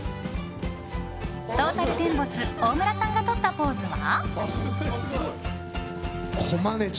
トータルテンボス大村さんがとったポーズは。